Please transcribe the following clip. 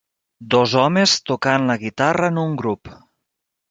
Dos homes tocant la guitarra en un grup.